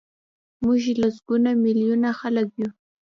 موږ لسګونه میلیونه خلک یو.